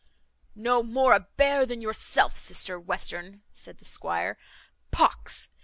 "No more a bear than yourself, sister Western," said the squire. "Pox!